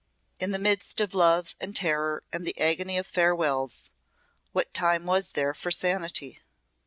In the midst of love and terror and the agony of farewells what time was there for sanity?"